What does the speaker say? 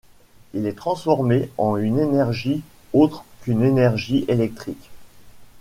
Il est transformé en une énergie autre qu'une énergie électrique.